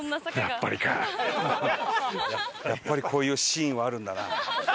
やっぱりこういうシーンはあるんだな。